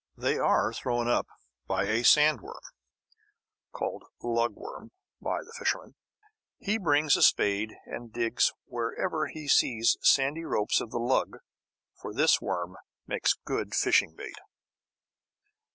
They are thrown up by a sand worm, called "lug worm" by the fisherman. He brings a spade and digs wherever he sees the sandy ropes of the "lug," for this worm makes good fishing bait.